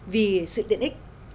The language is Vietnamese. vì sự tiện ích